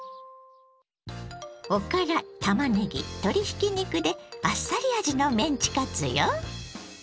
おからたまねぎ鶏ひき肉であっさり味のメンチカツよ。